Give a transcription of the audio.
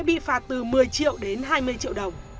bị phạt từ một mươi triệu đến hai mươi triệu đồng